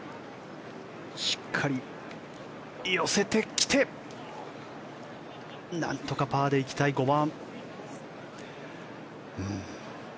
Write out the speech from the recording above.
しっかり寄せてきてなんとかパーで行きたい５番。